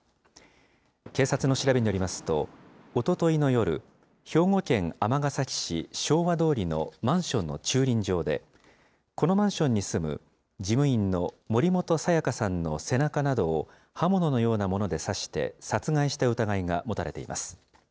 警察の調べによりますと、おとといの夜、兵庫県尼崎市昭和通のマンションの駐輪場で、このマンションに住む事務員の森本彩加さんの背中などを刃物のようなもので刺して、殺害した疑いが持たれています。